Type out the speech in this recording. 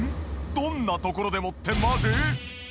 「どんな所でも」ってマジ？